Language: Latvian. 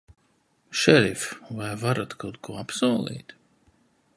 Šerif, vai varat kaut ko apsolīt?